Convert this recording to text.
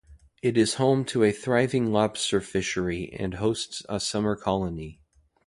It is home to a thriving lobster fishery and hosts a summer colony.